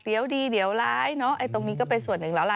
เดี๋ยวดีเดี๋ยวร้ายเนอะไอ้ตรงนี้ก็เป็นส่วนหนึ่งแล้วล่ะ